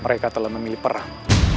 mereka telah memilih perang